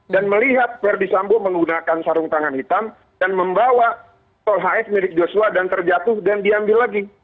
dan melihat ferdi sambo menggunakan sarung tangan hitam dan membawa tol hf milik joshua dan terjatuh dan diambil lagi